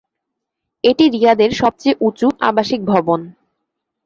এটি রিয়াদের সবচেয়ে উচু আবাসিক ভবন।